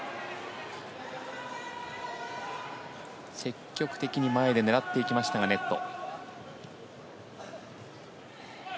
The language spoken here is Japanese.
積極的に前で狙っていきましたがネット。